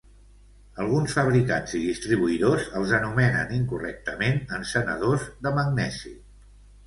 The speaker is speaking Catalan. Alguns fabricants i distribuïdors els anomenen incorrectament encenedors de "magnesi".